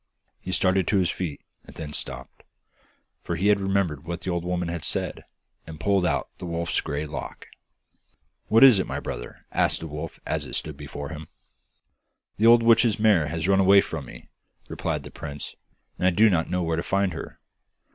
He started to his feet, and then stopped, for he remembered what the old woman had said, and pulled out the wolf's grey lock. 'What is it, my brother?' asked the wolf as it stood before him. 'The old witch's mare has run away from me,' replied the prince, 'and I don't know where to find her.